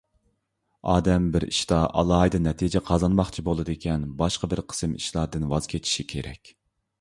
ئادەم بىر ئىشتا ئالاھىدە نەتىجە قازانماقچى بولىدىكەن، باشقا بىر قىسىم ئىشلاردىن ۋاز كېچىشى كېرەك.